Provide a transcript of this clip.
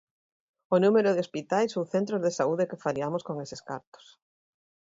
¡O número de hospitais ou centros de saúde que fariamos con eses cartos!